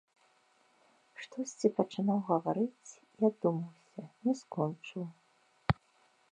Штосьці пачынаў гаварыць і адумаўся, не скончыў.